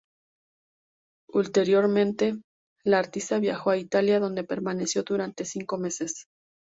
Ulteriormente, la artista viajó a Italia, donde permaneció durante cinco meses.